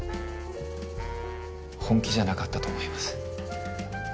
本気じゃなかったと思います。